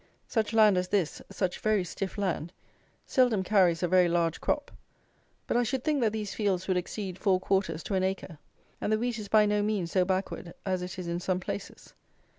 Such land as this, such very stiff land, seldom carries a very large crop; but I should think that these fields would exceed four quarters to an acre; and the wheat is by no means so backward as it is in some places.